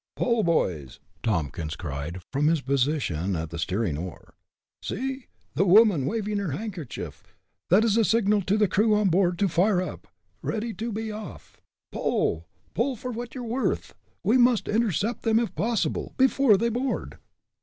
"Pull, boys!" Tompkins cried, from his position at the steering oar. "See! the woman is waving her handkerchief! That is a signal to the crew on board to fire up, ready to be off. Pull pull for your worth! We must intercept them, if possible, before they board!"